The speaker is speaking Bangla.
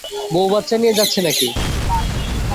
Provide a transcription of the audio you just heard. বউ বাচ্চা নিয়ে যাচ্ছে নাকি?